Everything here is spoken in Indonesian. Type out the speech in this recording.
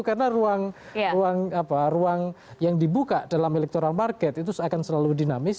karena ruang yang dibuka dalam electoral market itu akan selalu dinamis